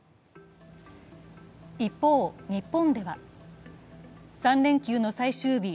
一方、日本では３連休の最終日。